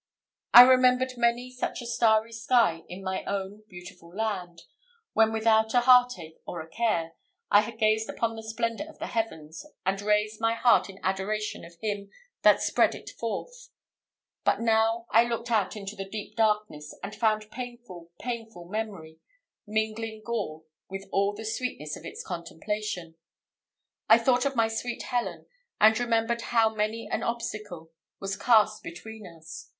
I remembered many such a starry sky in my own beautiful land, when, without a heart ache or a care, I had gazed upon the splendour of the heavens, and raised my heart in adoration to Him that spread it forth; but now, I looked out into the deep darkness, and found painful, painful memory mingling gall with all the sweetness of its contemplation. I thought of my sweet Helen, and remembered how many an obstacle was cast between us.